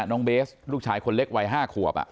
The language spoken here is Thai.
น้องเบสลูกชายคนเล็กวัย๕ขวบ